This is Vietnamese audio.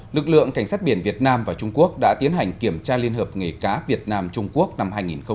lực lượng cảnh sát biển việt nam và trung quốc đã tiến hành kiểm tra liên hợp nghề cá việt nam trung quốc năm hai nghìn một mươi chín